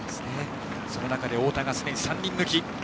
その中で太田がすでに３人抜き。